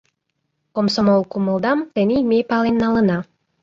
— Комсомол кумылдам тений ме пален налына.